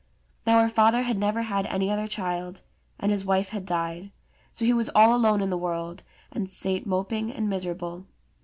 Now her father had never had any other child, and his wife had died ; so he was all alone in the world, and sate moping and miserable.